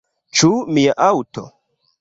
Ĉu mia aŭto?